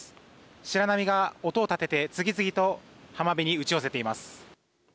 白波が音を立てて次々と浜辺に打ち寄せています。